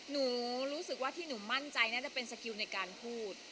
หนูรู้สึกว่าที่หนูมั่นใจน่าจะเป็นสกิลในการพูด